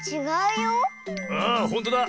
あほんとだ。